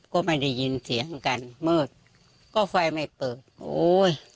ก็ไม่ได้ยินเสียงกันมืดก็ไฟไม่เปิดโอ้ย